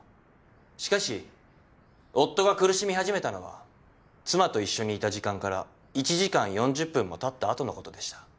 しかし夫が苦しみ始めたのは妻と一緒にいた時間から１時間４０分もたった後のことでした。